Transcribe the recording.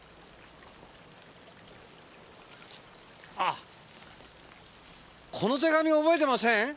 あこの手紙覚えてません？